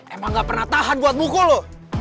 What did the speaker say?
emang gak pernah tahan buat buku lo